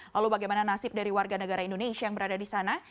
lalu bagaimana nasib dari warga negara indonesia yang berada di sana